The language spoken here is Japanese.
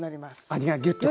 味がギュッとこう。